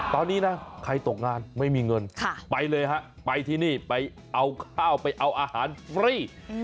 ตอนนี้นะใครตกงานไม่มีเงินไปเลยฮะไปที่นี่ไปเอาข้าวไปเอาอาหารฟรี